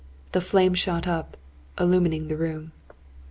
The flames shot up, illumining the room.